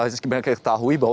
sekibar kita ketahui bahwa